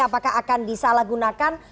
apakah akan disalahgunakan